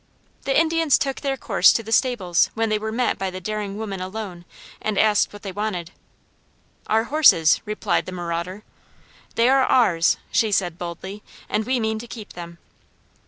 The Indians took their course to the stables when they were met by the daring woman alone and asked what they wanted. "Our horses," replied the marauder. "They are ours," she said boldly, "and we mean to keep them."